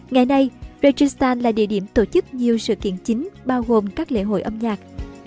ngày nay rajistan là địa điểm tổ chức nhiều sự kiện chính bao gồm các lễ hội âm nhạc